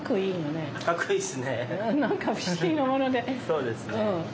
そうですね。